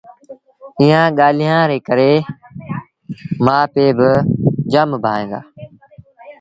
ايٚئآݩ ڳآليٚن ري ڪري مآ پي با جآم ڀائيٚݩ دآ